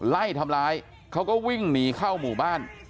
ไล่ทำร้ายเขาก็วิ่งหนีเข้าหมู่บ้าน